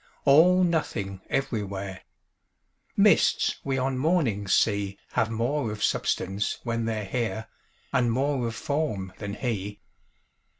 All nothing everywhere: Mists we on mornings see Have more of substance when they're here And more of form than he.